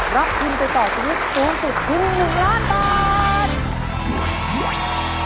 รับทุนไปต่อชีวิตสูงสุดถึง๑ล้านบาท